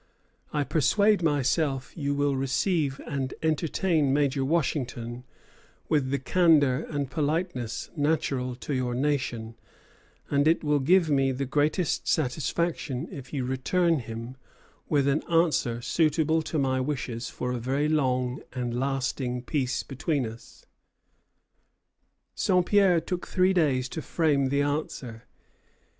I persuade myself you will receive and entertain Major Washington with the candor and politeness natural to your nation; and it will give me the greatest satisfaction if you return him with an answer suitable to my wishes for a very long and lasting peace between us." Saint Pierre took three days to frame the answer.